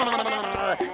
diam diam diam